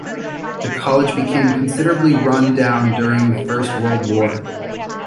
The college became considerably run down during the First World War.